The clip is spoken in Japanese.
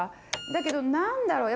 だけど何だろう？